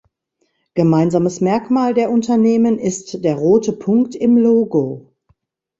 Gemeinsames Merkmal der Unternehmen ist der rote Punkt im Logo.